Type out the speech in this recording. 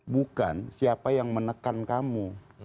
bukan siapa yang menekan kamu